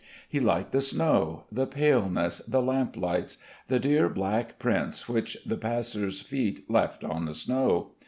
He liked the snow, the paleness, the lamp lights, the dear black prints which the passers' feet left on the snow.